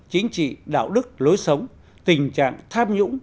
chính trị đạo đức lối sống tình trạng tham nhũng